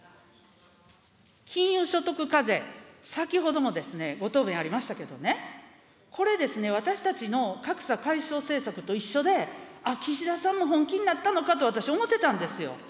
金融所得課税、先ほどもですね、ご答弁ありましたけどね、これですね、私たちの格差解消政策と一緒で、あっ、岸田さんも本気になったのかと私、思ってたんですよ。